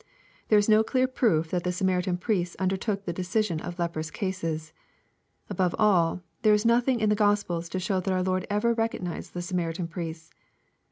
There is no clear proof that the Samaritan priests undertook the decision of leprous cases. Above all, there is nothing? in the Gospels to show that our Lord ever recognized the Samaritan priests.